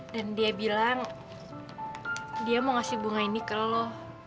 dan dia bilang dia mau ngasih bunga ini ke lo